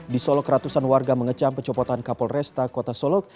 di solok ratusan warga mengecam pencopotan kapolresta kota solok